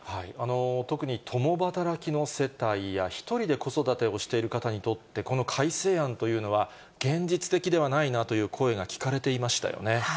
特に共働きの世帯や、１人で子育てをしている方にとって、この改正案というのは、現実的ではないなという声が聞かれていましたよね。